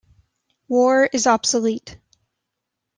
War is obsolete.